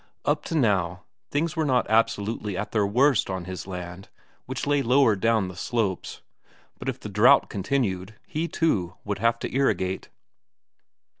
Up to now, things were not absolutely at their worst on his land, which lay lower down the slopes; but if the drought continued, he, too, would have to irrigate.